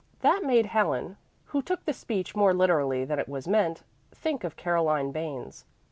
That made Helen, who took the speech more literally than it was meant, think of Caroline Barnes.